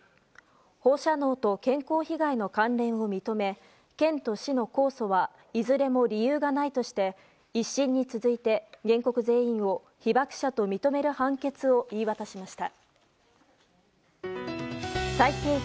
放射能と健康被害の関連を認め県と市の控訴はいずれも理由がないとして１審に続いて、原告全員を被爆者と認める判決を言い渡しました。